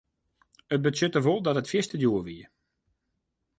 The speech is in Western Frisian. It betsjutte wol dat dat fierste djoer wie.